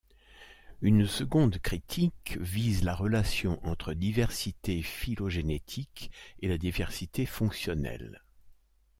Une seconde critique vise la relation entre diversité phylogénétique et la diversité fonctionnelle.